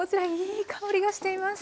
いい香りがしています。